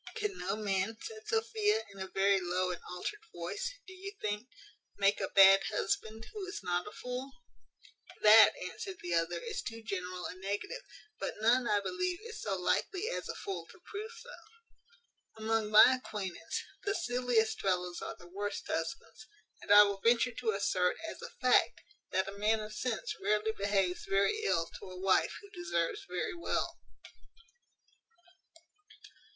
"Can no man," said Sophia, in a very low and altered voice, "do you think, make a bad husband, who is not a fool?" "That," answered the other, "is too general a negative; but none, I believe, is so likely as a fool to prove so. Among my acquaintance, the silliest fellows are the worst husbands; and I will venture to assert, as a fact, that a man of sense rarely behaves very ill to a wife who deserves very well."